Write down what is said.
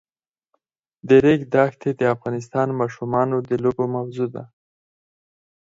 د ریګ دښتې د افغان ماشومانو د لوبو موضوع ده.